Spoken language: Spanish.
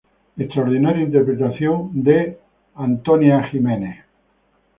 Extraordinaria interpretación de Bette Midler.